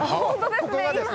ここがですね